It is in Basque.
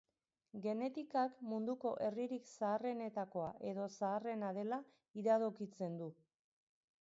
Genetikak munduko herririk zaharrenetakoa edo zaharrena dela iradokitzen du.